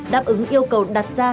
đáp ứng yêu cầu đặt ra